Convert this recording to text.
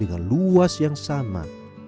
dengan luas yang sama